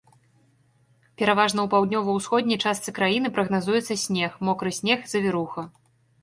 Пераважна у паўднёва-ўсходняй частцы краіны прагназуецца снег, мокры снег, завіруха.